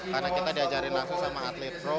karena kita diajarin langsung sama atlet pro